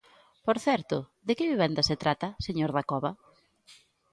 Por certo, ¿de que vivendas se trata, señor Dacova?